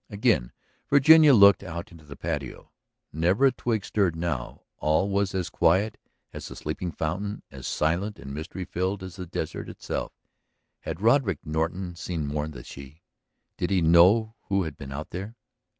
Again Virginia looked out into the patio. Never a twig stirred now; all was as quiet as the sleeping fountain, as silent and mystery filled as the desert itself. Had Roderick Norton seen more than she? Did he know who had been out there?